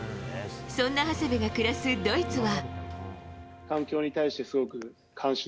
そんな長谷部が暮らすドイツは。